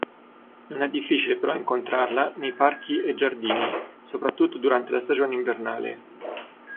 Non è difficile però incontrarla nei parchi e giardini, soprattutto durante la stagione invernale.